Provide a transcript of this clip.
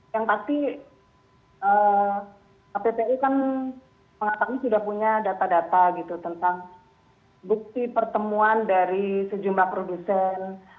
yang pasti kppu kan mengatakan sudah punya data data gitu tentang bukti pertemuan dari sejumlah produsen